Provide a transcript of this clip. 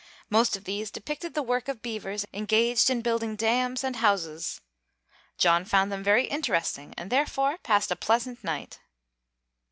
Most of these depicted the work of beavers engaged in building dams and houses; John found them very interesting, and therefore passed a pleasant night.